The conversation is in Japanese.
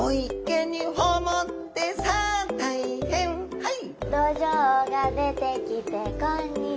はい。